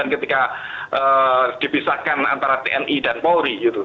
ketika dibisarkan antara tni dan polri